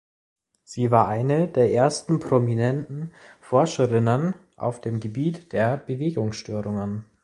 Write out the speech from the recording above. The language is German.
Sie war eine der ersten prominenten Forscherinnen auf dem Gebiet der Bewegungsstörungen.